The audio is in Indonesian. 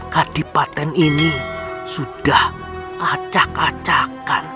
kadi patent ini sudah acak acak